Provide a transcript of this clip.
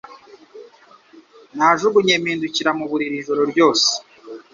Najugunye mpindukira mu buriri ijoro ryose